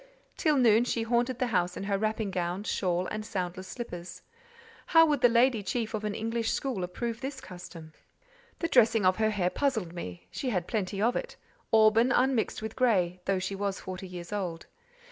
Till noon, she haunted the house in her wrapping gown, shawl, and soundless slippers. How would the lady chief of an English school approve this custom? The dressing of her hair puzzled me; she had plenty of it: auburn, unmixed with grey: though she was forty years old.